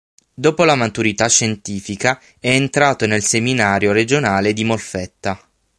Dopo la maturità scientifica, è entrato nel seminario regionale di Molfetta.